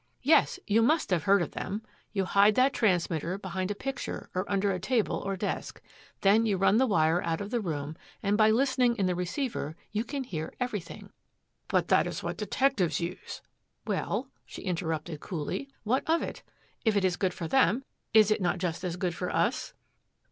"Yes. You must have heard of them. You hide that transmitter behind a picture or under a table or desk. Then you run the wire out of the room and by listening in the receiver you can hear everything!" "But that is what detectives use " "Well?" she interrupted coolly, "what of it? If it is good for them, is it not just as good for us?"